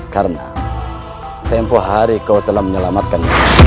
karena tempoh hari kau telah menyelamatkan